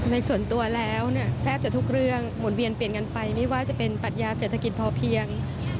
ในส่วนตัวแล้วเนี่ยแทบจะทุกเรื่องหมุนเวียนเปลี่ยนกันไปไม่ว่าจะเป็นปัญญาเศรษฐกิจพอเพียง